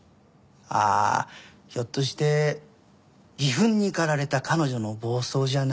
ああひょっとして義憤に駆られた彼女の暴走じゃない？